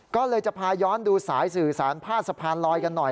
ก็เลยจะพาย้อนดูสายสื่อสารพาดสะพานลอยกันหน่อย